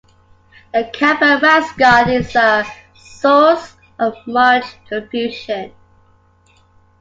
The "Camper" mascot is a source of much confusion.